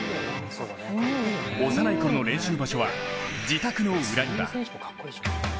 幼いころの練習場所は自宅の裏庭。